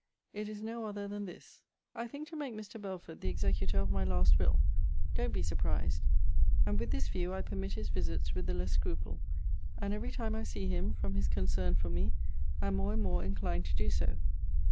It is no other than this: I think to make Mr. Belford the executor of my last will: [don't be surprised:] and with this view I permit his visits with the less scruple: and every time I see him, from his concern for me, am more and more inclined to do so.